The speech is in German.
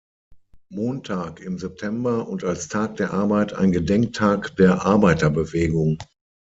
Montag im September und als "Tag der Arbeit" ein Gedenktag der Arbeiterbewegung.